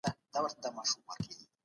طبیعت خپل اصول لري.